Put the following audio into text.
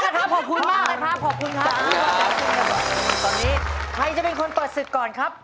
ตอนนี้ใครจะเป็นคนเปิดศึกก่อนครับ